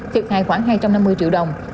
thiệt hại khoảng hai trăm năm mươi triệu đồng